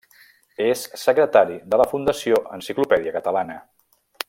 És secretari de la Fundació Enciclopèdia Catalana.